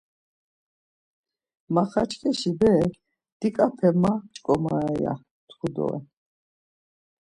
Maxaçkeşi berek “mdiǩape ma p̌ç̌ǩomare” ya tku doren.